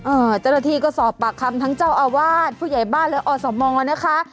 เจ้าหน้าที่ก็สอบปากคำทั้งเจ้าอาวาสผู้ใหญ่บ้านและอสมนะคะ